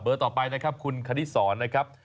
ต่อไปนะครับคุณคณิสรนะครับ